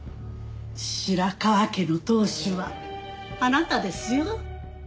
白河家の当主はあなたですよ。